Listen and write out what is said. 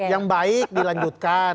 yang baik dilanjutkan